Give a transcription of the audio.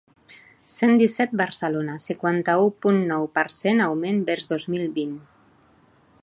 Cent disset Barcelona, cinquanta-u punt nou per cent augment vers dos mil vint.